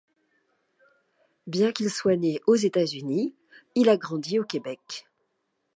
Bien qu'il soit né aux États-Unis, il a grandi au Québec.